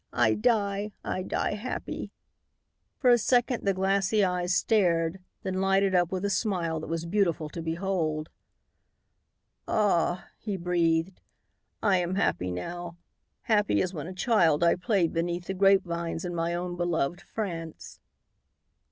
I die I die happy." For a second the glassy eyes stared, then lighted up with a smile that was beautiful to behold. "Ah!" he breathed, "I am happy now, happy as when a child I played beneath the grapevines in my own beloved France."